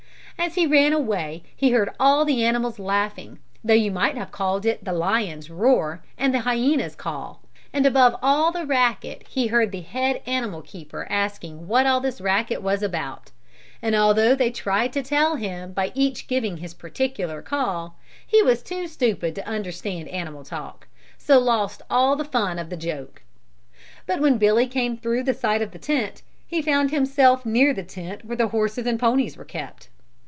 As he ran away he heard all the animals laughing, though you might have called it the lion's roar and the hyena's call, and above all the racket he heard the head animal keeper asking what all this racket was about; and although they all tried to tell him by each giving his particular call, he was too stupid to understand animal talk, so lost all the fun of the joke. When Billy came through the side of the tent, he found himself near the tent where the horses and ponies were kept.